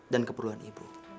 dan keperluan ibu